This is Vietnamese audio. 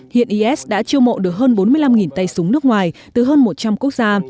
hiện is đã chiêu mộ được hơn bốn mươi năm tay súng nước ngoài từ hơn một trăm linh quốc gia